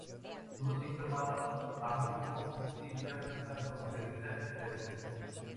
Tuvo cinco hermanos: Arnulfo, Cecilia, Fernando, Margarita y Pedro.